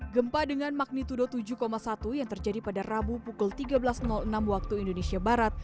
gempa dengan magnitudo tujuh satu yang terjadi pada rabu pukul tiga belas enam waktu indonesia barat